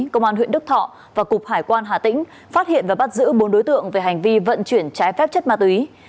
công an huyện đức thọ và cục hải quan hà tĩnh phát hiện và bắt giữ bốn đối tượng về hành vi vận chuyển trái phép chất ma túy